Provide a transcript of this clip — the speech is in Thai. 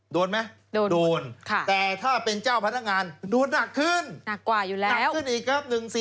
โดนไหมโดนแต่ถ้าเป็นเจ้าพนักงานโดนหนักขึ้นหนักขึ้นอีกครับ๑๔๗